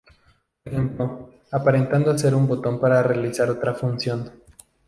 Por ejemplo: aparentando ser un botón para realizar otra función.